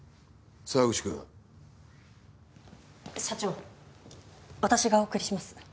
沢口くん。社長私がお送りします。